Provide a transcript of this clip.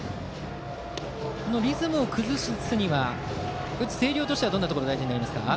このリズムを崩すには星稜としてはどんなところが大事になりますか。